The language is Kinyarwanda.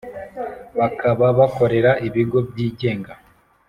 Bakaba bakorera ibigo byigenga